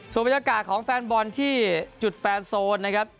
ส่วนบรรยากาศของแฟนบอลที่จุดแฟนโซนนะครับ